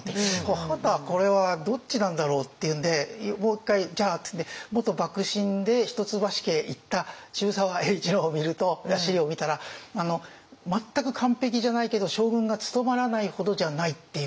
はたこれはどっちなんだろうっていうんでもう一回じゃあっていって元幕臣で一橋家へいった渋沢栄一のを見ると史料を見たら全く完璧じゃないけど将軍が務まらないほどじゃないっていうんです。